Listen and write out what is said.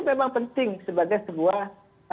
memang penting sebagai sebuah